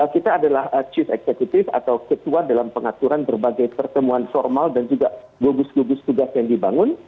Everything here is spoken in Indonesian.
kita adalah cheese executive atau ketua dalam pengaturan berbagai pertemuan formal dan juga gugus gugus tugas yang dibangun